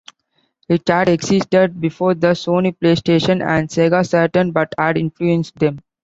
It had existed before the Sony PlayStation and Sega Saturn, but had influenced them.